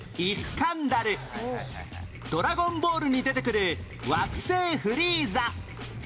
『ドラゴンボール』に出てくる惑星フリーザ